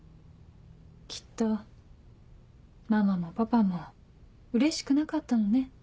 きっとママもパパもうれしくなかったのね。